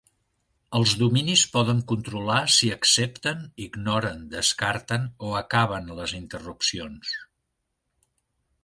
Els dominis poden controlar si accepten, ignoren, descarten o acaben les interrupcions.